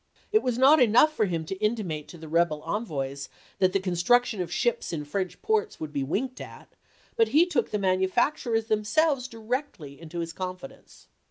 It was not enough for him to intimate to the rebel envoys that the construction of ships in French ports would be winked at, but he took the manufacturers themselves directly into his confidence.